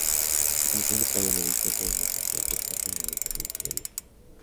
La condición de playa nudista es además oficial por parte del Ayuntamiento de Lepe.